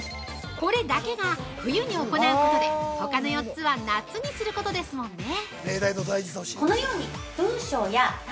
これだけが冬に行うことでほかの４つは夏にすることですもんね。